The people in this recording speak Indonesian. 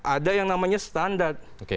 ada yang namanya standar